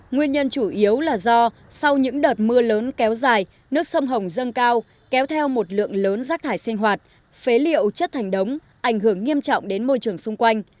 nguyên nhân chủ yếu là do sau những đợt mưa lớn kéo dài nước sông hồng dâng cao kéo theo một lượng lớn rác thải sinh hoạt phế liệu chất thành đống ảnh hưởng nghiêm trọng đến môi trường xung quanh